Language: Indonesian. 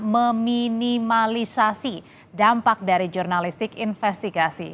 meminimalisasi dampak dari jurnalistik investigasi